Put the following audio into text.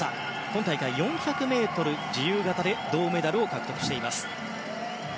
今大会４００ｍ自由形で銅メダルを獲得しています。